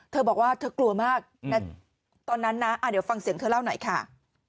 เธอบอกว่าเธอกลัวมากนะตอนนั้นนะเดี๋ยวฟังเสียงเธอเล่าหน่อยค่ะ